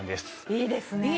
いいですね